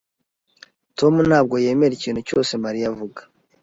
Tom ntabwo yemera ikintu cyose Mariya avuga.